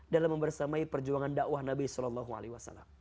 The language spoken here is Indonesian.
dalam membersamai perjuangan dakwah nabi saw